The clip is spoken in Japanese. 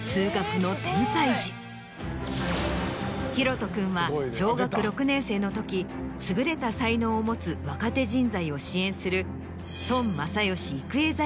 洋翔君は小学６年生の時優れた才能を持つ若手人材を支援する。